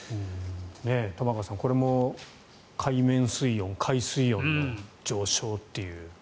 玉川さん、これも海面水温海水温の上昇という。